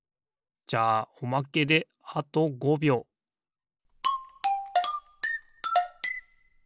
じゃあおまけであと５びょうピッ！